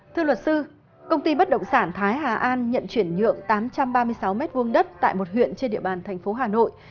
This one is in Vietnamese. thưa luật sư công ty bất động sản thái hà an nhận chuyển nhượng tám trăm ba mươi sáu m hai đất tại một huyện trên địa bàn thành phố hà nội